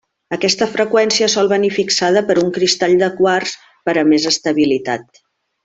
Aquesta freqüència sol venir fixada per un cristall de quars per a més estabilitat.